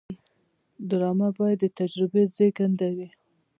ډرامه باید د تجربې زیږنده وي